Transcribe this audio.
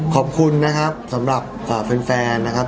ขอบคุณนะครับสำหรับแฟนนะครับ